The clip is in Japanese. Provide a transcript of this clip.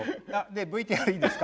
ＶＴＲいいですか？